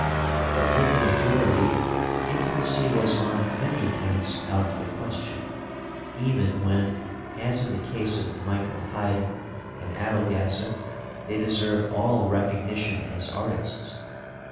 But, with the majority, intimacy was on many accounts out of the question, even when, as in the case of Michael Haydn and Adlgasser, they deserved all recognition as artists.